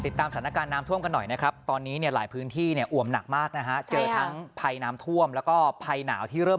ติดตามศาลนาการน้ำถ้วมกันหน่อยนะครับตอนนี้ลายพื้นที่เนี่ยอวมหนักมากนะฮะให้ซ้ำภัยน้ำถ้วมแล้วก็ภัยหนาวที่เริ่ม